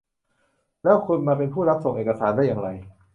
แล้วคุณมาเป็นผู้รับส่งเอกสารได้อย่างไร